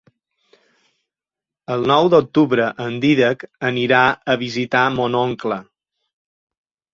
El nou d'octubre en Dídac anirà a visitar mon oncle.